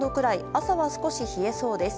朝は少し冷えそうです。